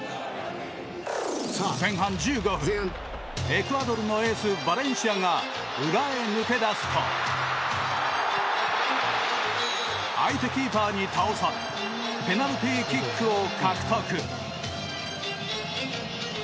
前半１５分、エクアドルのエースバレンシアが裏へ抜け出すと相手キーパーに倒されペナルティーキックを獲得。